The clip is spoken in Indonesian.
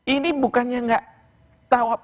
ini bukannya tidak tahu